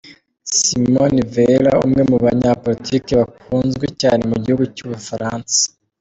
Simone Veil umwe mu banyapolitiki bakunzwe cyane mu gihugu cy’u Bufaransa.